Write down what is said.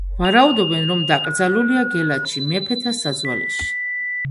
ვარაუდობენ, რომ დაკრძალულია გელათში, მეფეთა საძვალეში.